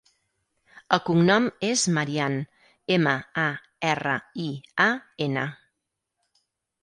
El cognom és Marian: ema, a, erra, i, a, ena.